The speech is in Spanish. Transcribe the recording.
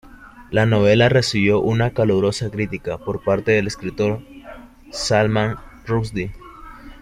La novela recibió una calurosa crítica por parte del escritor Salman Rushdie.